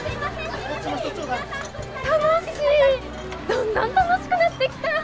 どんどん楽しくなってきた！